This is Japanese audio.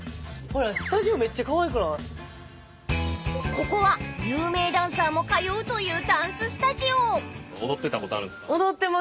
［ここは有名ダンサーも通うというダンススタジオ］踊ってました。